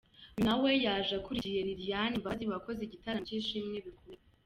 Uyu na we yaje akurikiye Lilian Mbabazi wakoze igitaramo cyishimiwe bikomeye.